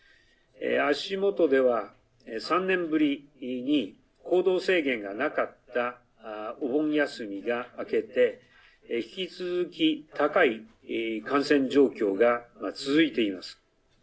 足元では、３年ぶりに行動制限がなかったお盆休みが明けて引き続き、高い感染状況が続いています。